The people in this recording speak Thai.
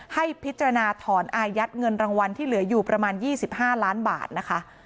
ให้พิจารณาถอนอายัดเงินรางวัลที่เหลืออยู่ประมาณ๒๕ล้านบาทนะคะ